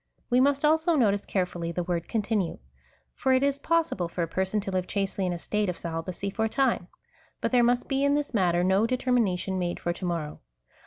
We must also notice carefully the word continue ; for it is possible for a person to live chastely in a state of celibacy for a time, but there must be in this matter no determina tion made for to morrow.